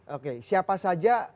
oke siapa saja